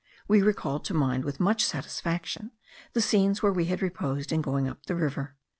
We recalled to mind, with much satisfaction, the scenes where we had reposed in going up the river.